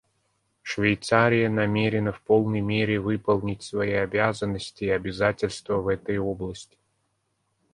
Швейцария намерена в полной мере выполнить свои обязанности и обязательства в этой области.